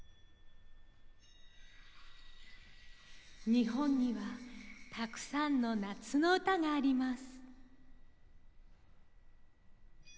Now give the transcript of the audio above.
日本にはたくさんの夏の歌があります。